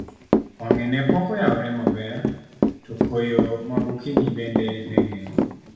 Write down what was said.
wang'e ne pok oyawre maber, to koyo ma gokinyi bende ne ng'eny